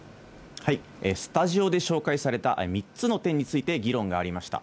スタジオで紹介された３つの点について議論がありました。